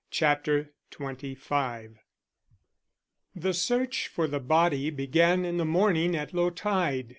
CHAPTER XXV THE search for the body began in the morning, at low tide.